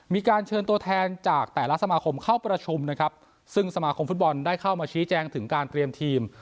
มีการเชิญตัวแทนจากแต่ละสมาคมเข้าประชุมนะครับซึ่งสมาคมฟุตบอลได้เข้ามาชี้แจงถึงการเตรียมทีม